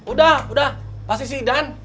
udah udah pasti si idan